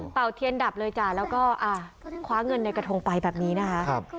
เทียนดับเลยจ้ะแล้วก็คว้าเงินในกระทงไปแบบนี้นะคะ